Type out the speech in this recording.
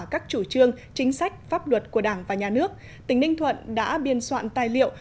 các chủ trương chính sách pháp luật của đảng và nhà nước tỉnh ninh thuận đã biên soạn tài liệu